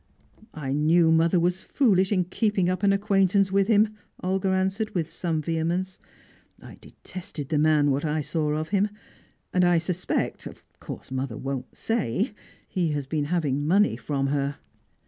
"I knew mother was foolish in keeping up an acquaintance with him," Olga answered, with some vehemence. "I detested the man, what I saw of him. And I suspect of course mother won't say he has been having money from her."